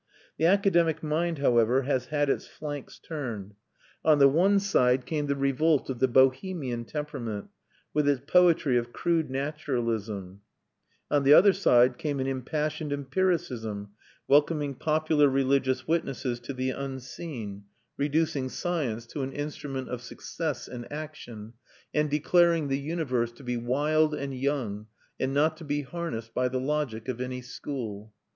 The academic mind, however, has had its flanks turned. On the one side came the revolt of the Bohemian temperament, with its poetry of crude naturalism; on the other side came an impassioned empiricism, welcoming popular religious witnesses to the unseen, reducing science to an instrument of success in action, and declaring the universe to be wild and young, and not to be harnessed by the logic of any school.